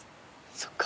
そっか。